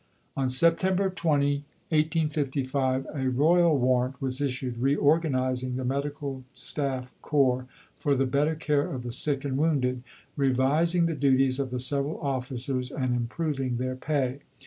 On September 20, 1855, a Royal Warrant was issued, reorganizing the Medical Staff Corps, "for the better care of the sick and wounded," revising the duties of the several officers, and improving their pay.